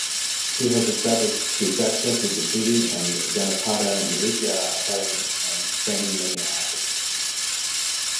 He has established Sri Satya Kuchipudi and Janapada Nritya Akademy and training many artists.